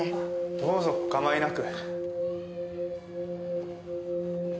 どうぞお構いなく。